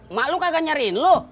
emak lu kagak nyariin lu